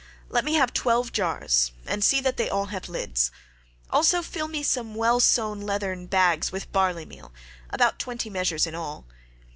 Let me have twelve jars, and see that they all have lids; also fill me some well sewn leathern bags with barley meal—about twenty measures in all.